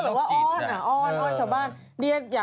เออชอบแบบว่าอ้อนพี่อ้อนพี่อ้อนชาวบ้าน